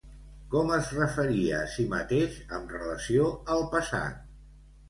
Com es referia a si mateix amb relació al passat?